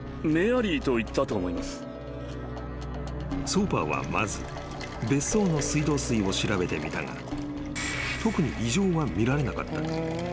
［ソーパーはまず別荘の水道水を調べてみたが特に異常は見られなかった］